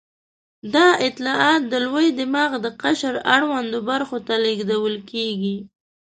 دا اطلاعات د لوی دماغ د قشر اړوندو برخو ته لېږدول کېږي.